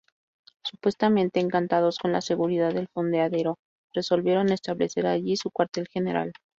Supuestamente encantados con la seguridad del fondeadero resolvieron establecer allí su cuartel general.